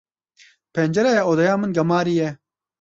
Pencereya odeya min gemarî ye.